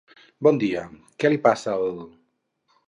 Bon dia, què li passa al...?